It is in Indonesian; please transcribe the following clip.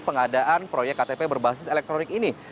pengadaan proyek ktp berbasis elektronik ini